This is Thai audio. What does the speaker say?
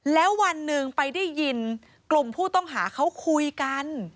แล้ววันหนึ่งไปได้ยินกลุ่มผู้ต้องหาเขาคุยกัน